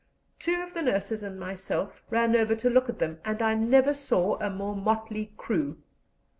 Two of the nurses and myself ran over to look at them, and I never saw a more motley crew.